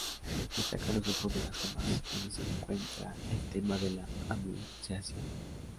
Destacan los grupos de las jambas, donde se encuentra el tema de la Anunciación.